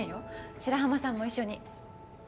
白浜さんも一緒に